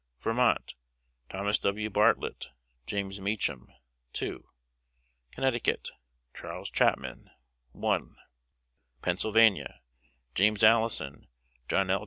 Vermont: Thomas W. Bartlett, James Meacham 2. Connecticut: Charles Chapman 1. Pennsylvania: James Allison, John L.